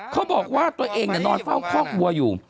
เขาบอกว่าตัวเองนอนเฝ้าคอกวัวอยู่